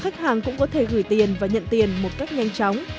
khách hàng cũng có thể gửi tiền và nhận tiền một cách nhanh chóng